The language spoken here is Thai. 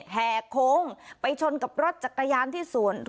แห่โค้งไปชนกับรถจักรยานที่สวน